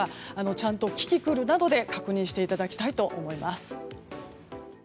ちゃんとキキクルなどで確認していただきたいと思います。